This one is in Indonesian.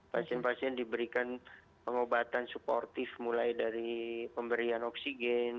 pasien pasien diberikan pengobatan suportif mulai dari pemberian oksigen